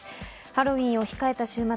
ハロウィーンを控えた週末。